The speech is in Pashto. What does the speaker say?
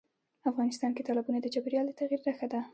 افغانستان کې تالابونه د چاپېریال د تغیر نښه ده.